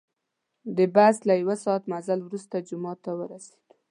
د بس له یو ساعت مزل وروسته جومات ته ورسیدو.